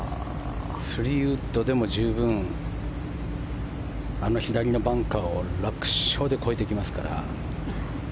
３ウッドでも十分あの左のバンカーを楽勝で越えてきますから。